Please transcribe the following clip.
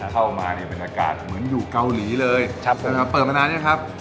เข้ามาในบรรยากาศเหมือนอยู่เกาหลีเลยเปิดมานานยังครับ